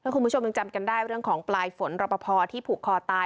คุณผู้ชมยังจำกันได้เรื่องของปลายฝนรอปภที่ผูกคอตาย